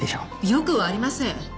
よくはありません！